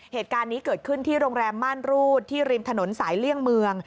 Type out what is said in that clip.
เหตุการณ์นี้เกิดขึ้นที่โรงแรมม่านรูดที่ริมถนนสายเลี่ยงเมือง